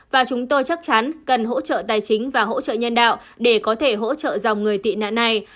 và chúng tôi chắc chắn cần hỗ trợ tài chính và hỗ trợ nhân đạo để có thể hỗ trợ dòng người tị nạn này